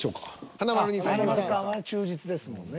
華丸さんは忠実ですもんね。